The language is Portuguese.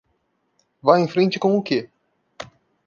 Vá em frente com o que?